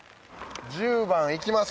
１０番行きます？